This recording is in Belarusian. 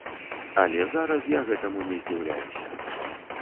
Але зараз я гэтаму не здзіўляюся.